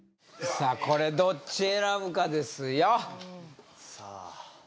さあこれどっち選ぶかですよさあ